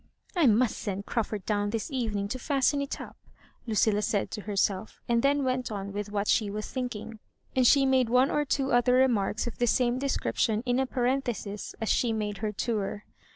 "I must send Crawford down this evening to fasten it up," Lucilla said to herself, and then went on with what she was thinking; and she made one or two other remarks of the same de scription in a parenthesis as she made her tour.